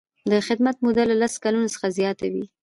د خدمت موده له لس کلونو څخه زیاته وي.